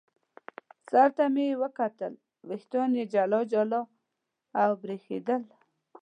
سر ته مې یې وکتل، وریښتان یې جلا جلا او برېښېدل.